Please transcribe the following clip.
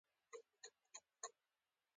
د شینوارو دره ښکلې ده